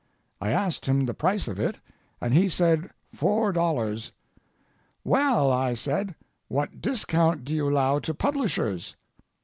I asked him the price of it, and he said four dollars. "Well," I said, "what discount do you allow to publishers?"